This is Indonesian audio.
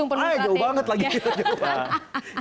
eh jauh banget lagi kita jauh